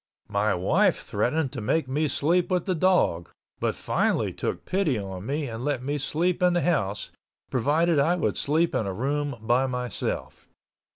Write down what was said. My wife threatened to make me sleep with the dog, but finally took pity on me and let me sleep in the house, providing I would sleep in a room by myself.